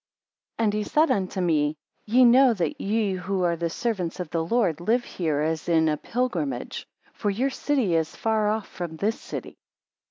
AND he said onto me; Ye know that ye who are the servants of the Lord, live here as in a pilgrimage; for your city is far off from this city.